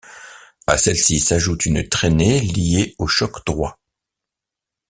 À celle-ci s'ajoute une traînée liée au choc droit.